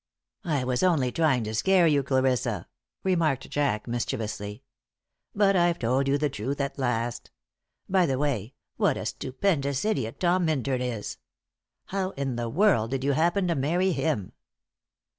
"I was only trying to scare you, Clarissa," remarked Jack, mischievously. "But I've told you the truth at last. By the way, what a stupendous idiot Tom Minturn is! How in the world did you happen to marry him?"